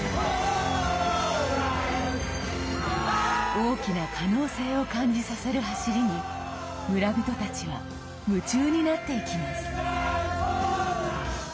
大きな可能性を感じさせる走りに村人たちは夢中になっていきます。